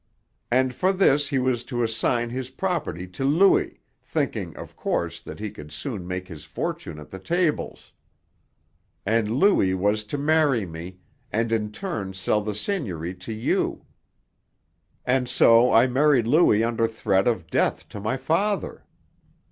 "And for this he was to assign his property to Louis, thinking, of course, that he could soon make his fortune at the tables. And Louis was to marry me, and in turn sell the seigniory to you. And so I married Louis under threat of death to my father.